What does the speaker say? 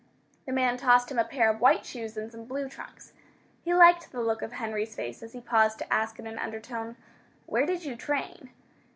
The man tossed him a pair of white shoes and some blue trunks. He liked the look of Henry's face as he paused to ask in an undertone, "Where did you train?"